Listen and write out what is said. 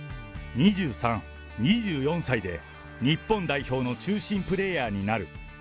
２３、２４歳で日本代表の中心プレーヤーになる。